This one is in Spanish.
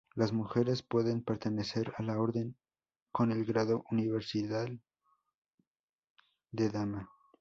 Las mujeres pueden pertenecer a la Orden con el grado universal de Dama.